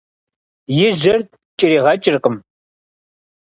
И жьэр ткӀэригъэкӀыркъым.